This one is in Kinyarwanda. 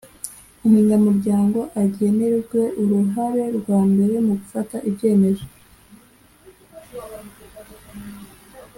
umunyamuryango agenerwe uruhare rwa mbere mu gufata ibyemezo